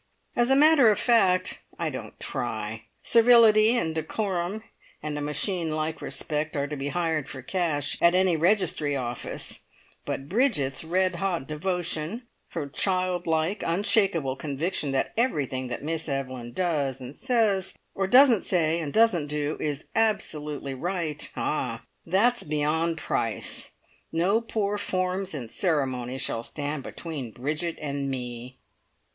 As a matter of fact, I don't try. Servility, and decorum, and a machine like respect are to be hired for cash at any registry office; but Bridget's red hot devotion, her child like, unshakable conviction that everything that Miss Evelyn does and says, or doesn't say and doesn't do, is absolutely right ah, that is beyond price! No poor forms and ceremony shall stand between Bridget and me!